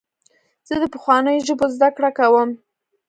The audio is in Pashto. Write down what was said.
زه د پخوانیو ژبو زدهکړه کوم.